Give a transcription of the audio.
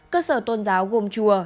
cơ sở tôn giáo gồm chùa